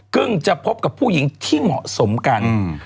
กึ้งจะพบกับผู้หญิงที่เหมาะสมกัน